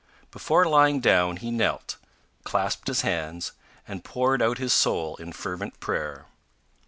Before lying down he knelt, clasped his hands, and poured out his soul in fervent prayer.